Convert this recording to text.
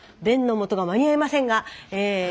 便のもとが間に合いませんがえ。